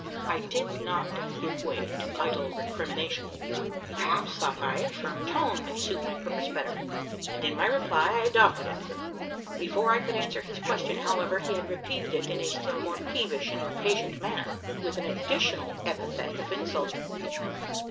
I did not give way to idle recrimination. Perhaps, thought I, a firm tone may suit my purpose better; and, in my reply, I adopted it. Before I could answer his question, however, he had repeated it in a still more peevish and impatient manner with an additional epithet of insult.